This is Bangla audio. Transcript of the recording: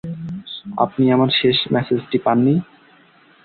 আপনি আমার শেষ মেসেজটি পাননি?